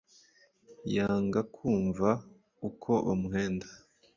Yanga kwumva ukwo bamuhenda